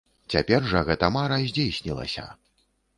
Цяпер жа гэта мара здзейснілася.